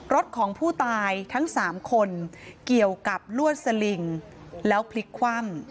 รถของผู้ตายทั้ง๓คนเกี่ยวกับลวดสลิงแล้วพลิกคว่ำ